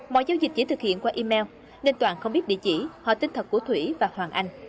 mọi giao dịch chỉ thực hiện qua email nên toàn không biết địa chỉ họ tên thật của thủy và hoàng anh